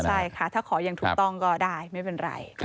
ใช่ค่ะถ้าขออย่างถูกต้องก็ได้ไม่เป็นไร